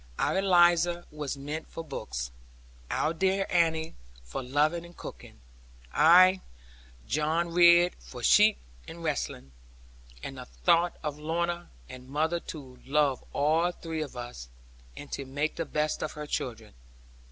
Our Eliza was meant for books; our dear Annie for loving and cooking; I, John Ridd, for sheep, and wrestling, and the thought of Lorna; and mother to love all three of us, and to make the best of her children.